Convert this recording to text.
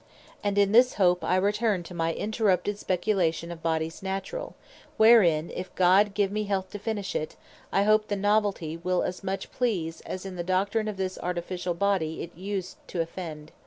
And in this hope I return to my interrupted Speculation of Bodies Naturall; wherein, (if God give me health to finish it,) I hope the Novelty will as much please, as in the Doctrine of this Artificiall Body it useth to offend.